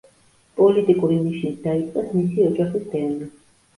პოლიტიკური ნიშნით დაიწყეს მისი ოჯახის დევნა.